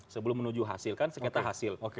sebelum menuju hasil kan sekitar hasil